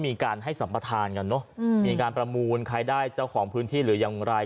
มีการให้สัมปทานกันเนอะมีการประมูลใครได้เจ้าของพื้นที่หรือยังไร